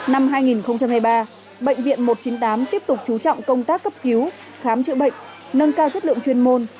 năm hai nghìn hai mươi ba bệnh viện một trăm chín mươi tám tiếp tục chú trọng công tác cấp cứu khám chữa bệnh nâng cao chất lượng chuyên môn